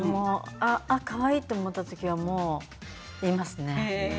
かわいいと思った時には言いますね。